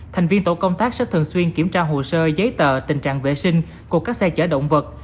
thành viên tổ công tác sẽ thường xuyên kiểm tra hồ sơ giấy tờ tình trạng vệ sinh của các xe chở động vật